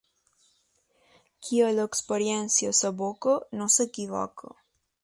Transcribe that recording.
Qui a l'experiència s'aboca, no s'equivoca.